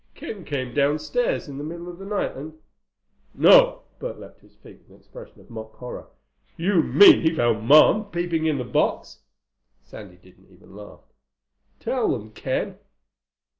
"Ken came downstairs in the middle of the night and—" "No!" Bert leaped to his feet with an expression of mock horror. "You mean he found Mom peeping in the box?" Sandy didn't even laugh. "Tell them, Ken."